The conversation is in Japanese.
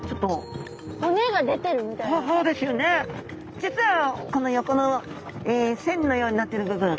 実はこの横の線のようになってる部分。